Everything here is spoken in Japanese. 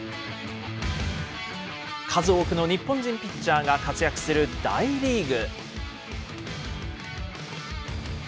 数多くの日本人ピッチャーが活躍する大リーグ。